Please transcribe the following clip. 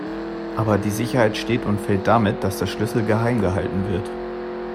Aber die Sicherheit steht und fällt damit, dass der Schlüssel geheim gehalten wird.